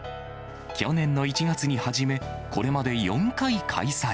去年の１月に始め、これまで４回開催。